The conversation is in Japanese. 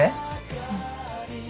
うん。